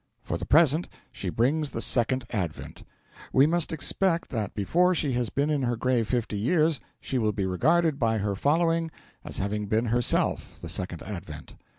For the present, she brings the Second Advent. We must expect that before she has been in her grave fifty years she will be regarded by her following as having been herself the Second Advent.